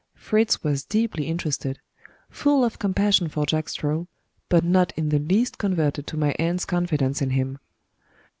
Fritz was deeply interested: full of compassion for Jack Straw, but not in the least converted to my aunt's confidence in him.